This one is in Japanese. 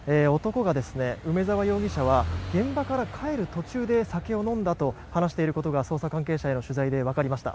梅沢容疑者は現場から帰る途中で酒を飲んだと話していることが捜査関係者への取材でわかりました。